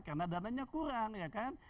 karena dananya kurang ya kan